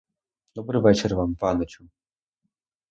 Добрий вечір вам, паничу!